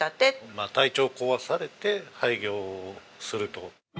まあ体調を壊されて廃業をすると。